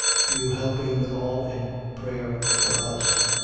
You helping withal in prayer for us.